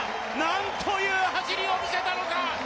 なんという走りを見せたのか！